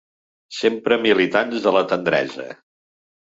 Sempre militants de la tendresa!